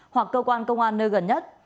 hoặc cơ quan công an nơi gần nhất